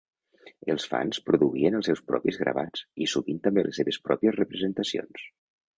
Els fans produïen els seus propis gravats, i sovint també les seves pròpies representacions.